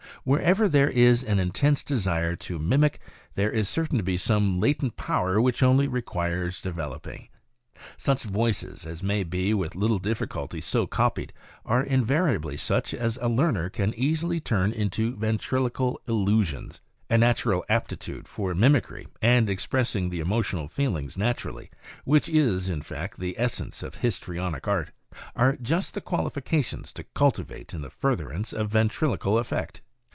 Wherever there is an in tense desire to mimic there is certain to be some latent power which only requires developing. Such voices as may be with little difficulty so copied, are invariably such as a learner can easily turn into ventriloquial illusions. A natural aptitude for mimicry, and expressing the emotional feelings naturally, which is, in fact, the essence of histrionic art, are just the qualifications to cultivate in the furtherance of ventriloquial effect.